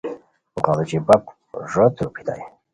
غیڑوچی بپ ݱوت روپھیتائے